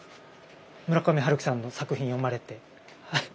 村上春樹さんの作品読まれて。